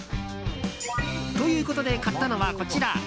ということで買ったのはこちら。